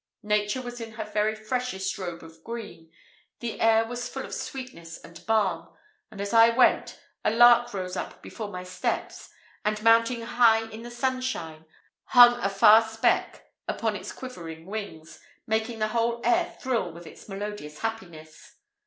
Nature was in her very freshest robe of green: the air was full of sweetness and balm; and as I went, a lark rose up before my steps, and mounting high in the sunshine, hung afar speck upon its quivering wings, making the whole air thrill with its melodious happiness.